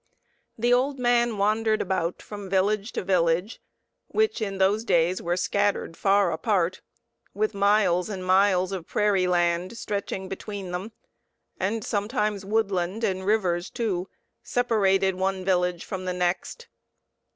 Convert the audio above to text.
The old man wandered about from village to village, which in those days were scattered far apart, with miles and miles of prairie land stretching between them, and sometimes woodland and rivers, too, separated one village from the next.